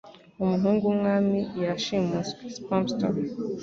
Umuhungu w'umwami yashimuswe (Spamster)